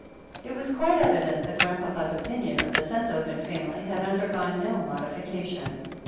It was quite evident that Grandpapa's opinion of the Senthoven family had undergone no modification.